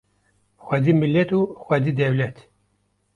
Xwedî millet û xwedî dewlet